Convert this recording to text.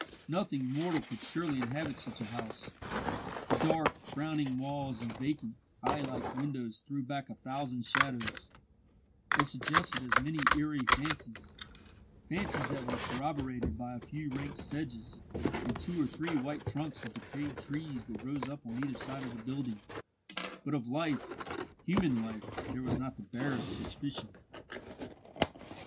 Nothing mortal could surely inhabit such a house. The dark, frowning walls and vacant, eye like windows threw back a thousand shadows, and suggested as many eerie fancies fancies that were corroborated by a few rank sedges and two or three white trunks of decayed trees that rose up on either side of the building; but of life human life there was not the barest suspicion.